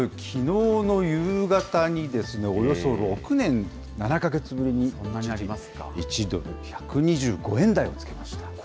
きのうの夕方に、およそ６年７か月ぶりに、１ドル１２５円台をつけました。